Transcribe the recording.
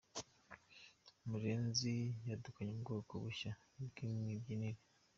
murenzi yadukanye ubwoko bushya bw’imibyinire